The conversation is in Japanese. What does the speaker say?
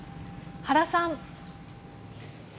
原さん。